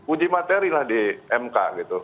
uji materilah di mk